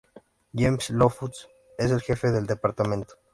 James Loftus es el jefe del departamento.